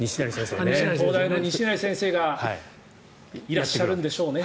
東大の西成先生がいらっしゃるんでしょうね。